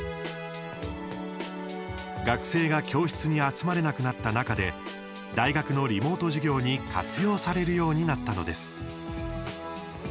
学生が教室に集まれなくなった中で大学のリモート授業に活用されるようになったのです。